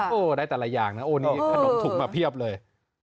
โอ้โหได้แต่ละอย่างนะโอ้นี่ขนมถุงมาเพียบเลย